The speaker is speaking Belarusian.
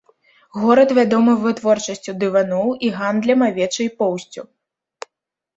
Горад вядомы вытворчасцю дываноў і гандлем авечай поўсцю.